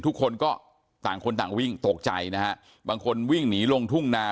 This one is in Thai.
ทุกคนก็ต่างคนต่างวิ่งตกใจนะฮะบางคนวิ่งหนีลงทุ่งนา